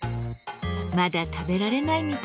まだ食べられないみたいですね。